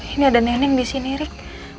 ini ada neneng di sini rik